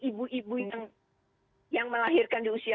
ibu ibu yang melahirkan di usia